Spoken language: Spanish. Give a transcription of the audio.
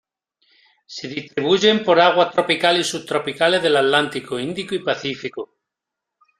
Se distribuyen por aguas tropicales y subtropicales del Atlántico, Índico y Pacífico.